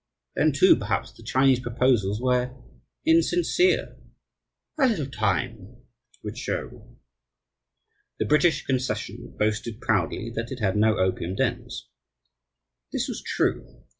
Then, too, perhaps the Chinese proposals were "insincere" a little time would show. The British concession boasted proudly that it had no opium dens. This was true.